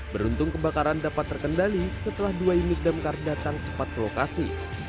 beruntung kebakaran dapat terkendali setelah dua unit damkar datang cepat ke lokasi